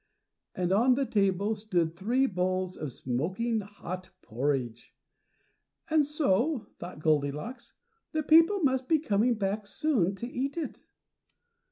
And on the table stood three bowls of smoking hot porridge. "And so," thought Goldilocks, "the people must be coming back soon to eat it."